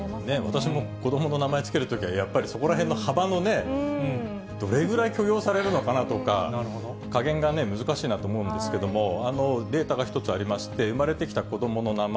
私も子どもの名前付けるときはやっぱりそこらへんの幅のね、どれぐらい許容されるのかなとか、加減が難しいなと思うんですけど、データが一つありまして、生まれてきた子どもの名前。